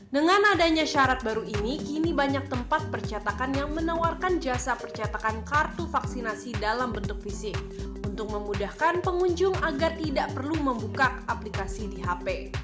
dengan adanya syarat baru ini kini banyak tempat percetakan yang menawarkan jasa percetakan kartu vaksinasi dalam bentuk fisik untuk memudahkan pengunjung agar tidak perlu membuka aplikasi di hp